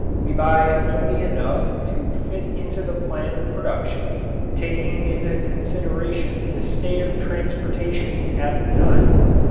We buy only enough to fit into the plan of production, taking into consideration the state of transportation at the time.